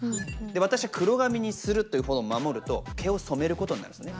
私は黒髪にするということを守ると毛を染めることになるんですね。